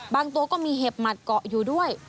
ตัวก็มีเห็บหมัดเกาะอยู่ด้วย